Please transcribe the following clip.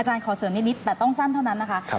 ขอเสริมนิดแต่ต้องสั้นเท่านั้นนะคะ